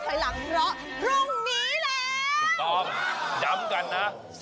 พรุ่งนี้๕สิงหาคมจะเป็นของใคร